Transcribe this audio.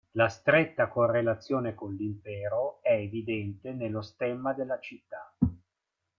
La stretta correlazione con l'Impero è evidente nello stemma della città.